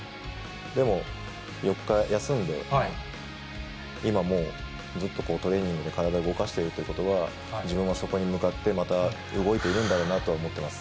でも、４日休んで、今もう、ずっとこう、トレーニングで体を動かしているということは、自分はそこに向かって、また動いているんだろうなと思っています。